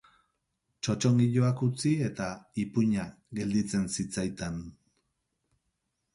Txotxongiloak utzi eta, ipuina gelditzen zitzaitan.